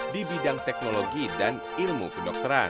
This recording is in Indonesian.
di bidang teknologi dan ilmu kedokteran